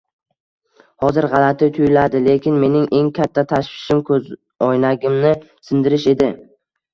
Hozir g'alati tuyuladi, lekin mening eng katta tashvishim ko'zoynagimni sindirish edi